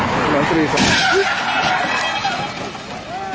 หนน๓ผม